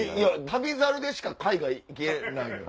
『旅猿』でしか海外行けないのよ。